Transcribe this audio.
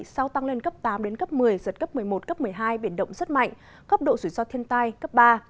sau tăng lên cấp tám đến cấp một mươi giật cấp một mươi một cấp một mươi hai biển động rất mạnh cấp độ rủi ro thiên tai cấp ba